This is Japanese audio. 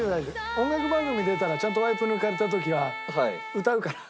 音楽番組出たらちゃんとワイプ抜かれた時は歌うから。